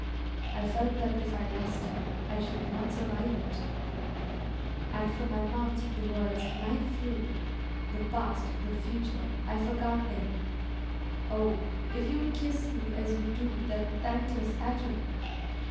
— I felt that if I lost her, I Should not survive it: And from my mouth the words nigh flew— The past, the future, I forgat 'em: "Oh! if you'd kiss me as you do That thankless atom!"